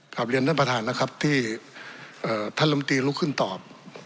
กลับเรียนท่านประธานนะครับที่ท่านลำตีลุกขึ้นตอบ